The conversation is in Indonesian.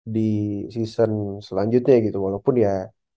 di season selanjutnya gitu walaupun ya